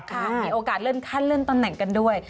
มีโอกาสเลื่อนขั้นเลื่อนตำแหน่งกันด้วย